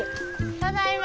ただいま。